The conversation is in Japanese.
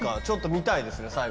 ちょっと見たいですね